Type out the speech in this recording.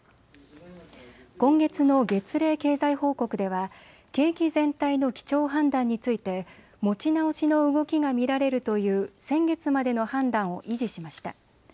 今月の月例経済報告では景気全体の基調判断について持ち直しの動きが見られるという先月までの判断を維持しました。